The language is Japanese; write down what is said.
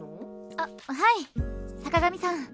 あっはい坂上さん。